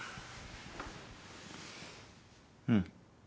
うん。